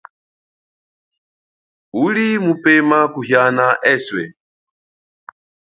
Uli mupema kuhiana eswe.